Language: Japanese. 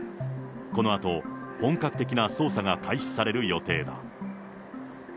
このあと、本格的な捜査が開始される予定だ。